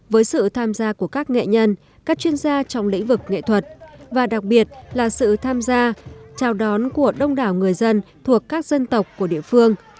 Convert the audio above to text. với sự tham gia của các nghệ nhân các chuyên gia trong lĩnh vực nghệ thuật và đặc biệt là sự tham gia chào đón của đông đảo người dân thuộc các dân tộc của địa phương